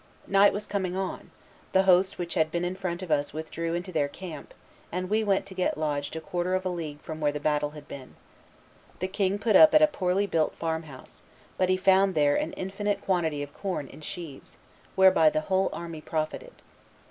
Night was coming on; the host which had been in front of us withdrew into their camp, and we went to get lodged a quarter of a league from where the battle had been. The king put up at a poorly built farm house, but he found there an infinite quantity of corn in sheaves, whereby the whole army profited.